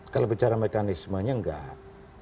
kalau bicara mekanismenya enggak